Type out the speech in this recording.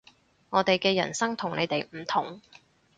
我哋嘅人生同你哋唔同